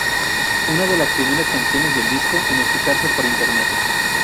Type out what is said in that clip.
Una de las primeras canciones del disco en escucharse por internet.